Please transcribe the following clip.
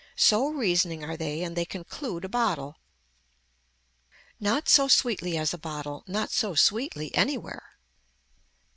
So reasoning are they and they conclude a bottle. Not so sweetly as a bottle, not so sweetly anywhere.